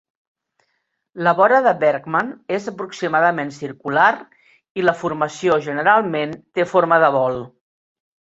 La vora de Bergman és aproximadament circular i la formació generalment té forma de bol.